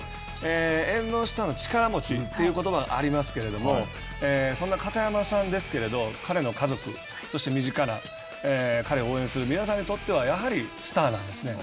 縁の下の力持ちということばがありますけれどもそんな片山さんですけれど彼の家族そして身近な彼を応援する皆さんにとってはやはりスターなんですね。